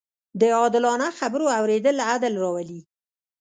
د عادلانه خبرو اورېدل عدل راولي